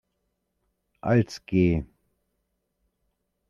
Als Geh.